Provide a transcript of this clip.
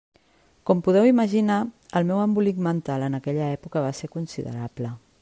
Com podeu imaginar, el meu embolic mental en aquella època va ser considerable.